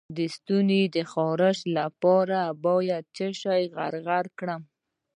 د ستوني د خارش لپاره باید څه شی غرغره کړم؟